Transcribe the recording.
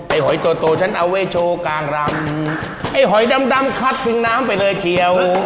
หอยโตฉันเอาไว้โชว์กลางรำไอ้หอยดำดำคัดถึงน้ำไปเลยเชียว